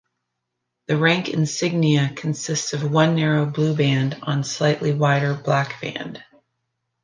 The rank insignia consists of one narrow blue band on slightly wider black band.